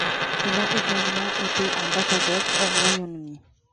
Il a également été ambassadeur au Royaume-Uni.